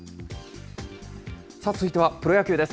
さあ、続いてはプロ野球です。